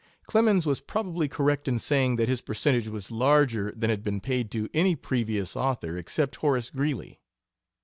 Clemens was probably correct in saying that his percentage was larger than had been paid to any previous author except Horace Greeley.